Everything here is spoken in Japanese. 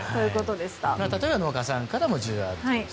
例えば農家さんから需要があると。